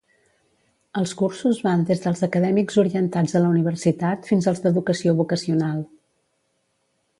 Els cursos van des dels acadèmics orientats a la universitat fins als d'educació vocacional.